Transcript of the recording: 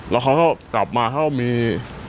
แล้วเขาก็กลับมาเขาก็มี